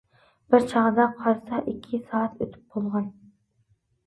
بىر چاغدا قارىسا ئىككى سائەت ئۆتۈپ بولغان!